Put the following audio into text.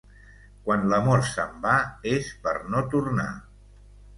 Quan l'amor se'n va és per no tornar.